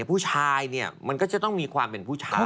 ผู้ชายเนี่ยมันก็จะต้องมีความเป็นผู้ชาย